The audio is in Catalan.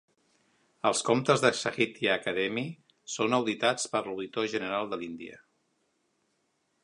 Els comptes de Sahitya Akademi són auditats per l'auditor general de l'Índia.